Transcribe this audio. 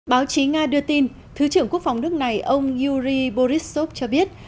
báo chí nga đưa tin thứ trưởng quốc phòng nước này ông yuri borisov cho biết